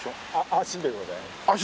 足でございます。